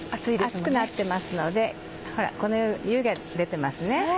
熱くなってますのでこのように湯気出てますね。